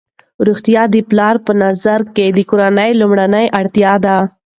روغتیا د پلار په نظر کې د کورنۍ لومړنۍ اړتیا ده.